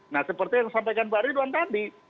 nah seperti yang disampaikan pak ridwan tadi